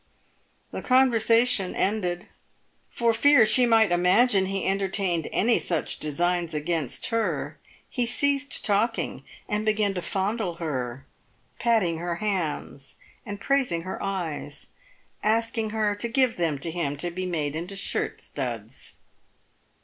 The conversation ended. For fear she might imagine he enter tained any such designs against her, he ceased talking, and began to fondle her, patting her hands and praising her eyes — asking her to give them to him to be made into shirt studs.